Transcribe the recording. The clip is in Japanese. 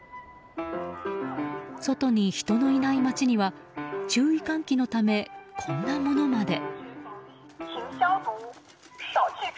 外に人のいない街には注意喚起のため、こんなものまで。